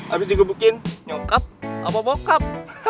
abis digebukin nyokap apa bokap